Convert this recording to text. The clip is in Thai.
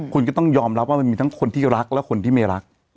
คุณก็ต้องยอมรับว่ามันมีทั้งคนที่รักและคนที่ไม่รัก